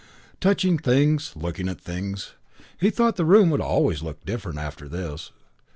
Touching things, looking at things.... He thought the room would always look different after this.